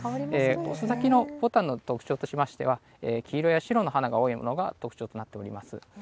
遅咲きのぼたんの特徴としましては黄色や白の花が多いのが特徴となっています。